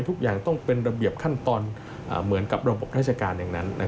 ทุกอย่างต้องเป็นระเบียบขั้นตอนเหมือนกับระบบราชการอย่างนั้น